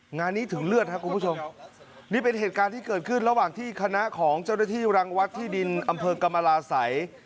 งานนี้ถึงเลือดครับคุณผู้ชมนี่เป็นเหตุการณ์ที่เกิดขึ้นระหว่างที่คณะของเจ้าหน้าที่รังวัดที่ดินอำเภอกรรมราศัย